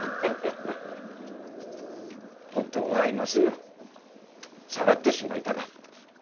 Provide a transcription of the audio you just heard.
本当は今すぐさらってしまいたか。